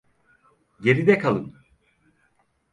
Geride kalın.